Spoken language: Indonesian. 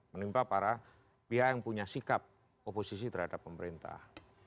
menimpa para pihak yang punya sikap oposisi terhadap pemerintah